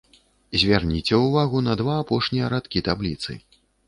Звярніце ўвагу на два апошнія радкі табліцы.